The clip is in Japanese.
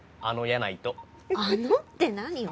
「あの」って何よ